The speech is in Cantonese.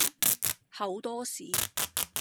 厚多士